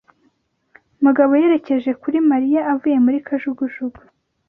Mugabo yerekeje kuri Mariya avuye muri kajugujugu.